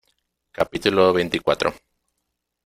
capítulo veinticuatro.